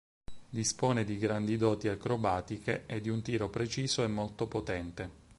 Dispone di grandi doti acrobatiche e di un tiro preciso e molto potente.